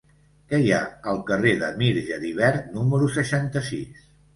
Què hi ha al carrer de Mir Geribert número seixanta-sis?